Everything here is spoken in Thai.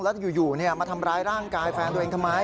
แล้วอยู่มาทำร้ายร่างกายแฟนตัวเองทำไม